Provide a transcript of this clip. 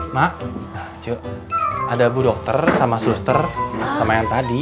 mak ada bu dokter sama suster sama yang tadi